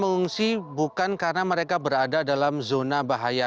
mengungsi bukan karena mereka berada dalam zona bahaya